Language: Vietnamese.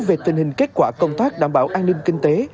về tình hình kết quả công tác đảm bảo an ninh kinh tế